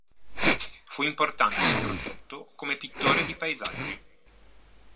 Fu importante soprattutto come pittore di paesaggi.